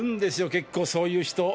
結構そういう人。